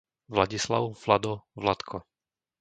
Vladislav, Vlado, Vladko